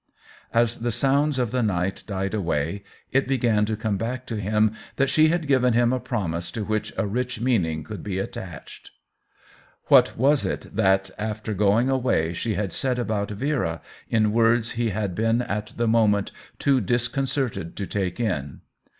As the sounds of the night died away, it began to come back to him that she had given him a promise to which a rich meaning could be attached. What was it that, before going away, she had said about Vera, in words he had been at the moment too disconcerted to take in